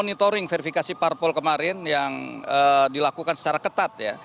dan kami juga memperkenalkan verifikasi parpol kemarin yang dilakukan secara ketat